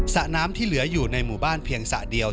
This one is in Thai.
ระน้ำที่เหลืออยู่ในหมู่บ้านเพียงสระเดียว